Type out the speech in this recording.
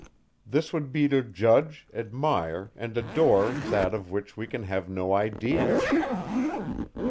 This would be to judge, admire, and adore that, of which we can have no ideas.